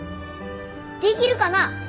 できるかな？